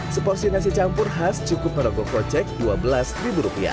seporsi nasi campur khas cukup merokok kocek dua belas rupiah